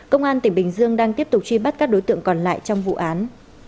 công an tỉnh bình dương đang tiếp tục truy bắt các đối tượng còn lại trong vụ án